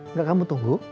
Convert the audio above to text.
udah kamu tunggu